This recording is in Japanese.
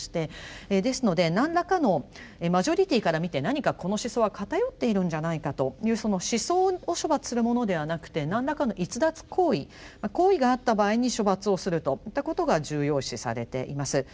ですので何らかのマジョリティーから見て何かこの思想は偏っているんじゃないかというその思想を処罰するものではなくて何らかの逸脱行為行為があった場合に処罰をするといったことが重要視されています。